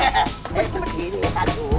eh kesini aku